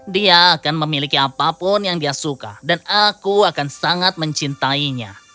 dia akan memiliki apapun yang dia suka dan aku akan sangat mencintainya